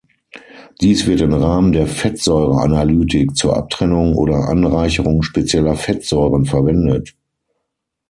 Dies wird im Rahmen der Fettsäure-Analytik zur Abtrennung oder Anreicherung spezieller Fettsäuren verwendet.